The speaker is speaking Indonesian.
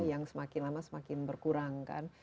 yang semakin lama semakin berkurang kan